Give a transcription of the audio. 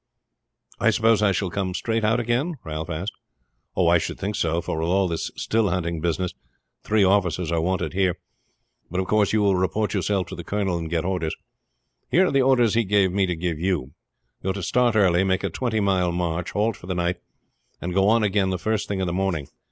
"I suppose I shall come straight out again?" Ralph asked. "I should think so; for with all this still hunting business three officers are wanted here. But of course you will report yourself to the colonel and get orders. Here are the orders he gave me to give you. You are to start early, make a twenty mile march, halt for the night, and go on again the first thing in the morning.